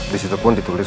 disitu pun ditulis